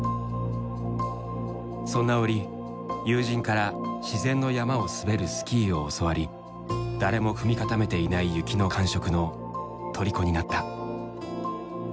そんな折友人から自然の山を滑るスキーを教わり誰も踏み固めていない雪の感触のとりこになった。